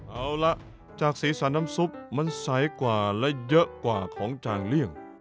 เอาละจากสีสันน้ำซุปมันใสกว่าและเยอะกว่าของจางเลี่ยง